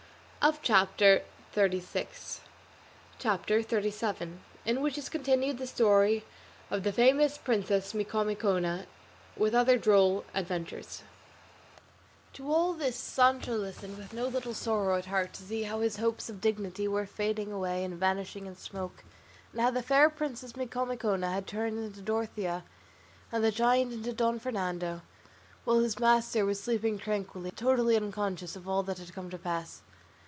CHAPTER XXXVII. IN WHICH IS CONTINUED THE STORY OF THE FAMOUS PRINCESS MICOMICONA, WITH OTHER DROLL ADVENTURES To all this Sancho listened with no little sorrow at heart to see how his hopes of dignity were fading away and vanishing in smoke, and how the fair Princess Micomicona had turned into Dorothea, and the giant into Don Fernando, while his master was sleeping tranquilly, totally unconscious of all that had come to pass.